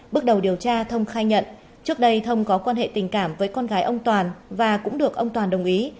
bước đầu điều tra thông khai nhận trước đây thông có quan hệ tình cảm với con gái ông toàn và cũng được ông toàn đồng ý